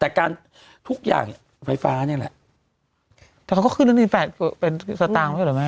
แต่การทุกอย่างไฟฟ้าเนี่ยแหละแต่เขาก็ขึ้นแล้วทีแฟดเป็นสตางค์ไหมแม่